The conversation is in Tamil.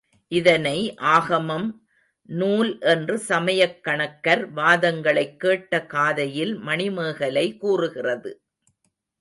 இதனை ஆகமம், நூல் என்று சமயக்கணக்கர் வாதங்களைக் கேட்ட காதையில் மணிமேகலை கூறுகிறது.